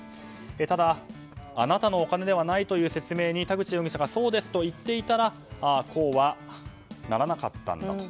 ただ、あなたのお金ではないという説明に田口容疑者がそうですと言っていたらこうはならなかったんだと。